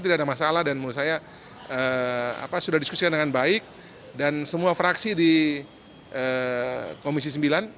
kala dan menurut saya sudah diskusikan dengan baik dan semua fraksi di komisi sembilan